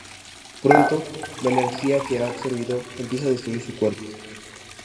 Pronto, la energía que ha absorbido empieza a destruir su cuerpo.